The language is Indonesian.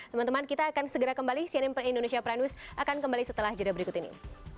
teman teman kita akan segera kembali cnn indonesia prime news akan kembali setelah jeda berikut ini